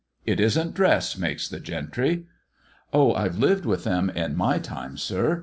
" It isn't dress makes the gentry. Oh, Tve lived with them in my time, sir.